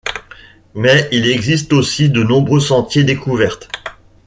Mais il existe aussi de nombreux sentiers découverte.